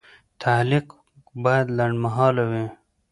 تعلیق باید لنډمهاله وي.